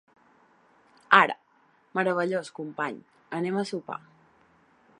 Ara, meravellós company, anem a sopar!